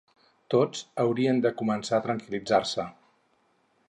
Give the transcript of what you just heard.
Tots haurien de començar a tranquil·litzar-se.